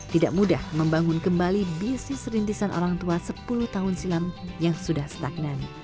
tidak mudah membangun kembali bisnis rintisan orang tua sepuluh tahun silam yang sudah stagnan